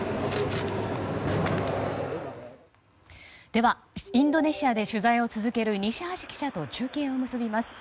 では、インドネシアで取材を続ける西橋記者と中継を結びます。